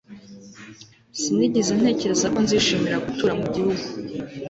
sinigeze ntekereza ko nzishimira gutura mu gihugu